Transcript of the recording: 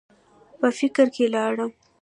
پۀ فکر کښې لاړم ـ